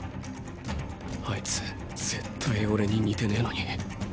あいつ絶対オレに似てねぇのに。